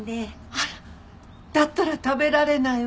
あらだったら食べられないわね。